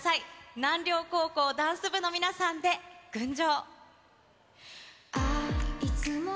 南稜高校ダンス部の皆さんで群青。